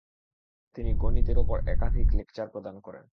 তিনি গণিতের ওপর একাধিক লেকচার প্রদান করেন।